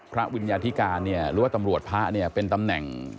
พระวิญญาธิการหรือว่าตำรวจพระเป็นตำแหน่ง